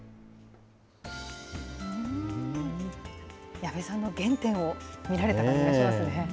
矢部さんの原点を見られた感じもしますね。